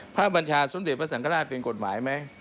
บัญชาสมเด็จพระสังฆราชเป็นกฎหมายไหม